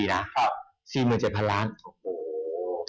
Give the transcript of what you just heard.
๔๗๐๐๐ล้านบาท